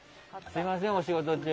すみません、お仕事中。